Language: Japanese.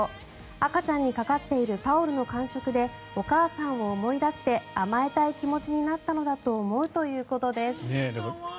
赤ちゃんにかかっているタオルの感触でお母さんを思い出して甘えたい気持ちになったのだと思うということです。